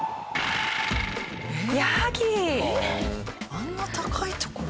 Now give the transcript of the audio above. あんな高い所。